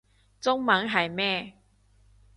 中文係咩